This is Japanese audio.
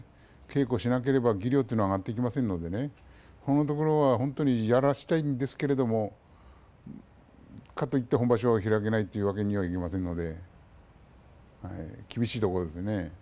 稽古しなければ技量っていうのは上がってきませんのでそのところは本当にやらせたいんですけれどもかといって本場所を開けないというわけにはいきませんので厳しいところですよね。